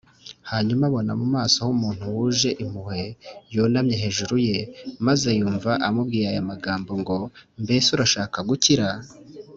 hanyuma abona mu maso h’umuntu wuje impuhwe yunamye hejuru ye, maze yumva amubwiye aya amagambo ngo, “Mbese urashaka gukira?